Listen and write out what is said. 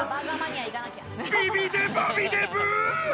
ビビデバビデブー。